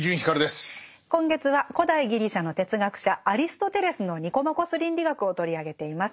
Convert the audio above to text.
今月は古代ギリシャの哲学者アリストテレスの「ニコマコス倫理学」を取り上げています。